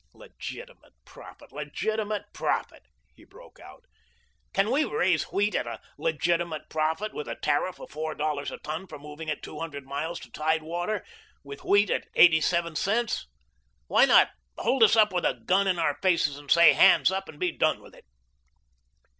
'Legitimate profit, legitimate profit,'" he broke out. "Can we raise wheat at a legitimate profit with a tariff of four dollars a ton for moving it two hundred miles to tide water, with wheat at eighty seven cents? Why not hold us up with a gun in our faces, and say, 'hands up,' and be done with it?"